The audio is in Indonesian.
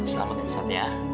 selamat ya satria